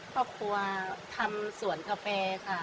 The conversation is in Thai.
ครอบครัวทำสวนกาแฟค่ะ